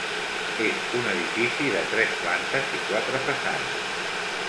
És un edifici de tres plantes i quatre façanes.